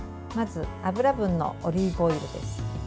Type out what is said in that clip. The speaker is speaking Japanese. まず油分のオリーブオイルです。